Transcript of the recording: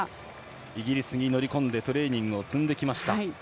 イギリスに乗り込んでトレーニングを積んできました。